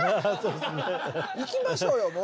行きましょうよ。